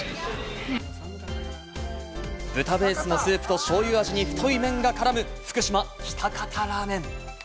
豚ベースのスープとしょうゆ味に太い麺が絡む福島・喜多方ラーメン。